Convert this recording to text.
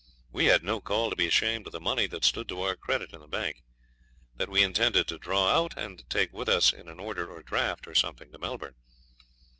We had no call to be ashamed of the money that stood to our credit in the bank. That we intended to draw out, and take with us in an order or a draft, or something, to Melbourne.